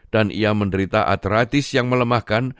dan ia menderita arteritis yang melemahkan